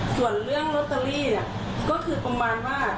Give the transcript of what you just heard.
ส่วนเรื่องลอตเตอรี่ก็คือประมาณว่า